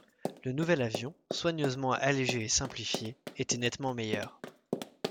Le nouvel avion, soigneusement allégé et simplifié, était nettement meilleur.